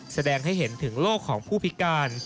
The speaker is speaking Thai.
แสดงให้เห็นถึงโลกของผู้พิการ